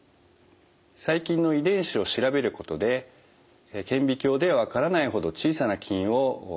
細菌の遺伝子を調べることで顕微鏡では分からないほど小さな菌を判別することができます。